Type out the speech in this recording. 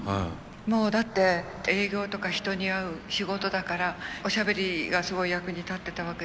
もうだって営業とか人に会う仕事だからおしゃべりがすごい役に立ってたわけでしょ。